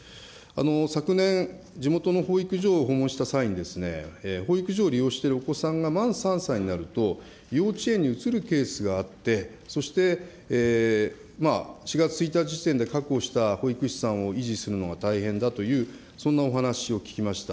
昨年、地元の保育所を訪問した際にですね、保育所を利用しているお子さんが満３歳になると、幼稚園に移るケースがあって、そして４月１日時点で確保した保育士さんを維持するのが大変だという、そんなお話を聞きました。